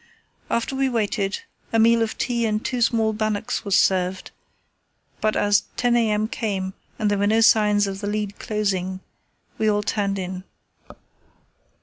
While we waited, a meal of tea and two small bannocks was served, but as 10 a.m. came and there were no signs of the lead closing we all turned in.